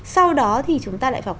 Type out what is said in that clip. sau đó thì chúng ta lại phải học